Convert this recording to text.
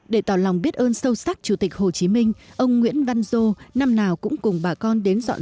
để tỏ lòng biết ơn sâu sắc chủ tịch hồ chí minh ông nguyễn văn dô năm nào cũng cùng bà con đến dọn